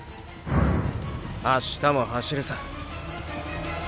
明日も走るさ！！